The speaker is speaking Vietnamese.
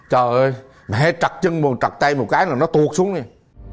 trời ơi mẹ trật chân một trật tay một cái là nó tuột xuống nè